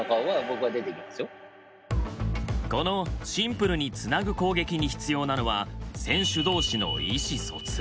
このシンプルにつなぐ攻撃に必要なのは選手同士の意思疎通。